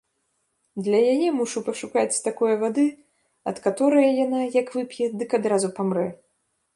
Для яе мушу пашукаць такое вады, ад каторае яна, як вып'е, дык адразу памрэ.